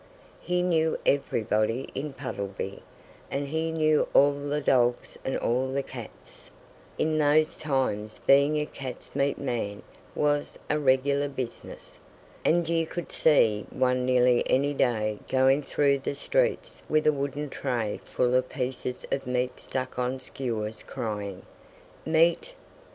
He knew everybody in Puddleby; and he knew all the dogs and all the cats. In those times being a cat's meat man was a regular business. And you could see one nearly any day going through the streets with a wooden tray full of pieces of meat stuck on skewers crying, "Meat!